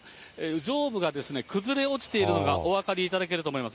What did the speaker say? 上部が崩れ落ちているのがお分かりいただけると思います。